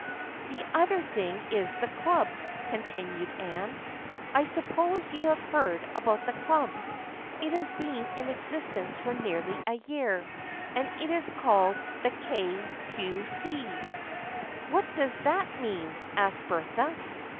11 The other thing is the club," continued Anne. " I suppose you have heard about the club. It has been in existence for nearly a year, and it is called the « Kay Cue See.' "" What does that mean ?" asked Bertha.